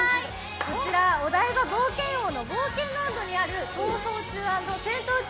こちらお台場冒険王の冒険ランドにある「逃走中」＆「戦闘中」